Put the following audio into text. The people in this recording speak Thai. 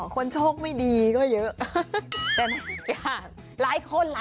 อ๋อคนโชคไม่ดีก็เยอะ